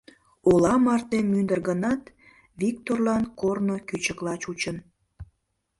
Ола марте мӱндыр гынат, Викторлан корно кӱчыкла чучын.